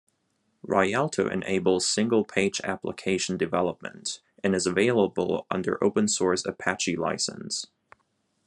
Rialto enables Single Page Application development, and is available under open source Apache License.